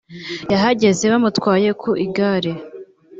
yahageze bamutwaye ku igare